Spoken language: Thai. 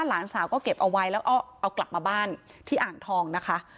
หลานสาวก็เก็บเอาไว้แล้วก็เอากลับมาบ้านที่อ่างทองนะคะ